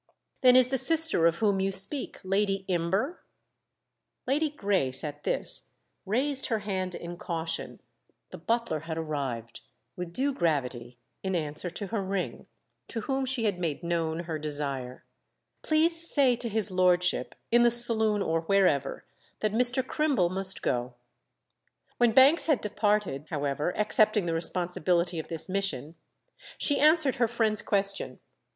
"Then is the sister of whom you speak Lady Imber?" Lady Grace, at this, raised her hand in caution: the butler had arrived, with due gravity, in answer to her ring; to whom she made known her desire. "Please say to his lordship—in the saloon or wherever—that Mr. Crimble must go." When Banks had departed, however, accepting the responsibility of this mission, she answered her friend's question.